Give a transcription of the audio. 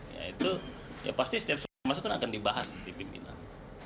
ya itu ya pasti setiap masukan akan dibahas di pimpinan